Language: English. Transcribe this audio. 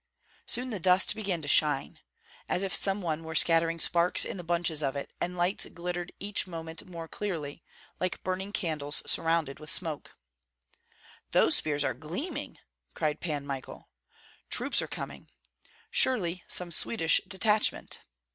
Soon the dust began to shine, as if some one were scattering sparks in the bunches of it; and lights glittered each moment more clearly, like burning candles surrounded with smoke. "Those are spears gleaming!" cried Pan Michael. "Troops are coming." "Surely some Swedish detachment!"